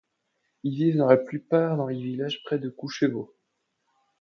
Ils vivent pour la plupart dans des villages près de Kučevo.